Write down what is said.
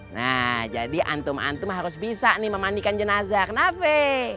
nah jadi antum antum harus bisa nih memandikan jenazah